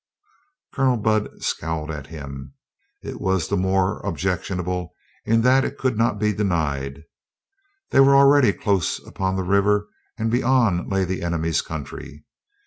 Colonel Budd scowled at him. It was the more objectionable in that it could not be denied. They were already close upon the river and beyond lay the enemy's country.